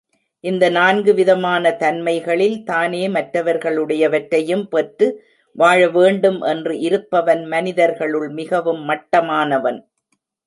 இந்த நான்கு விதமான தன்மைகளில் தானே மற்றவர்களுடையவற்றையும் பெற்று வாழ வேண்டும் என்று இருப்பவன் மனிதர்களுள் மிகவும் மட்டமானவன்.